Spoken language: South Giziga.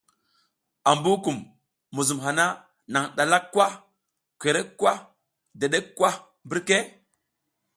Ambukum, muzum hana nang ɗalak kwa, korek kwa dedek kwa mbirka ?